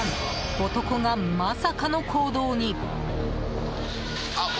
男が、まさかの行動に。